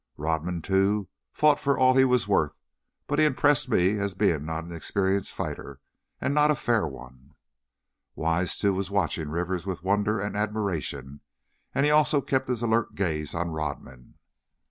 Rodman, too, fought for all he was worth, but he impressed me as being not an experienced fighter, and not a fair one. Wise, too, was watching Rivers with wonder and admiration, and he also kept his alert gaze on Rodman.